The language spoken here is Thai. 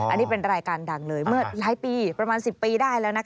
อันนี้เป็นรายการดังเลยเมื่อหลายปีประมาณ๑๐ปีได้แล้วนะคะ